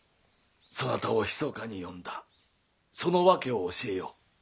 そなたをひそかに呼んだその訳を教えよう。